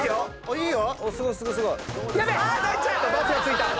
いいよ！